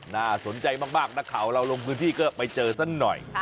น่าสนใจมากนักข่าวเราลงพื้นที่ก็ไปเจอสักหน่อย